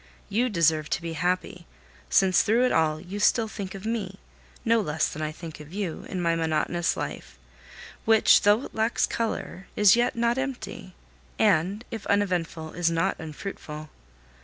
You deserve to be happy, since, through it all, you still think of me, no less than I think of you, in my monotonous life, which, though it lacks color, is yet not empty, and, if uneventful, is not unfruitful.